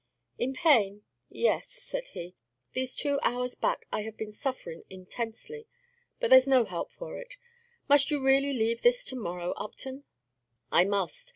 "In pain? Yes," said he, "these two hours back I have been suffering intensely; but there's no help for it! Must you really leave this to morrow, Upton?" "I must.